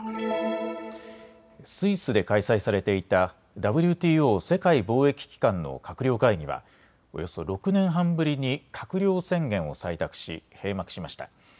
スイスで開催されていたＷＴＯ・世界貿易機関機関の閣僚会議はおよそ６年半ぶりに閣僚宣言を採択し閉幕しました。